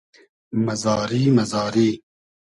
مئزاری مئزاری